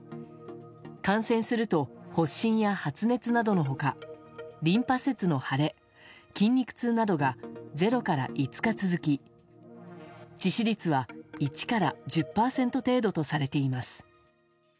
感染すると、発疹や発熱などの他リンパ節の腫れ、筋肉痛などが０から５日続き致死率は１から１０％程度とされています。